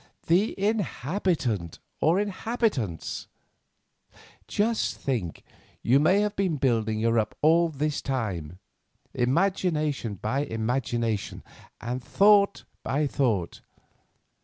"The inhabitant, or inhabitants. Just think, you may have been building her up all this time, imagination by imagination, and thought by thought.